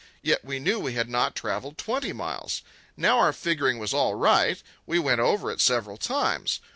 Yet we knew we had not travelled twenty miles. Now our figuring was all right. We went over it several times.